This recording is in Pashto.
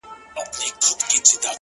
خټي کوم؛